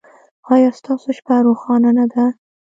ایا ستاسو شپه روښانه نه ده؟